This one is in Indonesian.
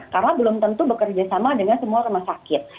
karena belum tentu bekerja sama dengan semua rumah sakit